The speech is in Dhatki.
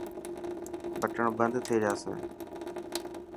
بٽڻ بند ٿي جاسي.